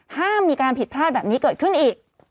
ห้ามมีการผิดพลาดแบบนี้เกิดขึ้นอีก